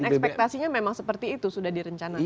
dan ekspektasinya memang seperti itu sudah direncana tadi ya